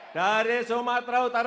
dari sumatera utara huras